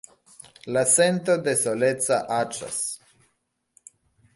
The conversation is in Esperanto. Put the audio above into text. La sento de soleca aĉas.